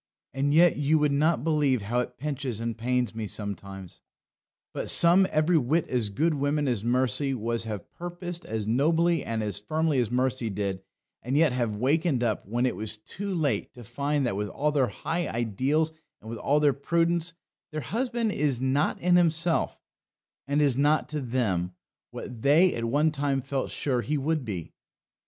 And yet you would not believe how it pinches and pains me sometimes." But some every whit as good women as Mercy was have purposed as nobly and as firmly as Mercy did, and yet have wakened up, when it was too late, to find that, with all their high ideals, and with all their prudence, their husband is not in himself, and is not to them, what they at one time felt sure he would be.